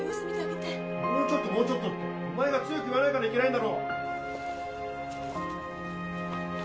「もうちょっともうちょっと」ってお前が強く言わないからいけないんだろ！